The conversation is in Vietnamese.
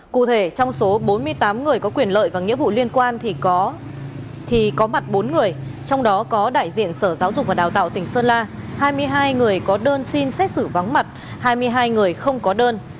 cụ thể trong số bốn mươi tám người có quyền lợi và nghĩa vụ liên quan thì có mặt bốn người trong đó có đại diện sở giáo dục và đào tạo tỉnh sơn la hai mươi hai người có đơn xin xét xử vắng mặt hai mươi hai người không có đơn